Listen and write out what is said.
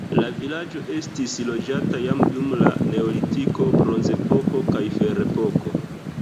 La vilaĝo estis loĝata jam dum la neolitiko, bronzepoko kaj ferepoko.